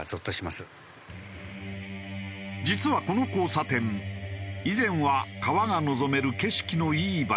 実はこの交差点以前は川が望める景色のいい場所だった。